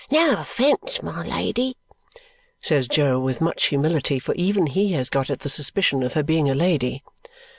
"No offence, my lady," says Jo with much humility, for even he has got at the suspicion of her being a lady.